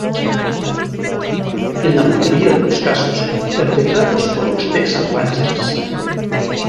En la mayoría de los casos perpetrados por los Texas Rangers.